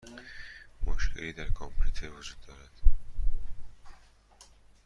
مشکلی در کامپیوترم وجود دارد.